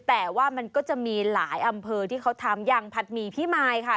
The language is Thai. แต่ว่ามันก็จะมีหลายอำเภอที่เขาทำอย่างผัดหมี่พี่มายค่ะ